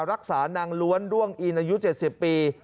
รักษานางล้วนด้วงอินอายุ๗๐ปี